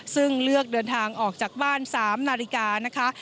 ซึ่งเลือกเดินทางออกจากบ้าน๓นาฬิกานะคะ